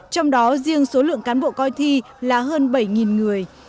trong đó riêng số lượng cán bộ coi thi là hơn bảy người